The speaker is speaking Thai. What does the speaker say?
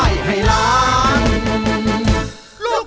ยัง